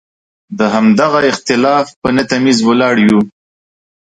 د همدغه اختلاف په نه تمیز ولاړ یو.